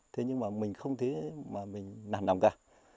thế nhưng mà mình không thấy mà mình nản lòng cả